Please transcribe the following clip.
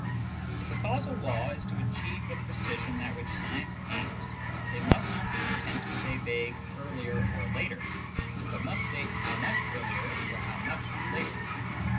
If a causal law is to achieve the precision at which science aims, it must not be content with a vague earlier or latery but must state how much earlier or how much later.